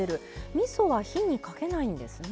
みそは火にかけないんですね。